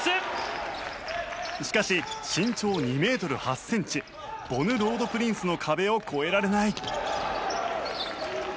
しかし、身長２ｍ８ｃｍボヌ・ロードプリンスの壁を越えられない。